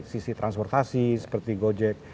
sisi transportasi seperti gojek